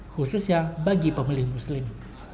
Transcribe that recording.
khususnya bagi pemilik muslim